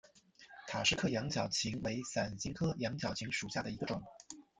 塔什克羊角芹为伞形科羊角芹属下的一个种。